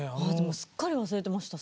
すっかり忘れてました。